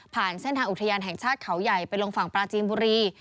เส้นทางอุทยานแห่งชาติเขาใหญ่ไปลงฝั่งปลาจีนบุรี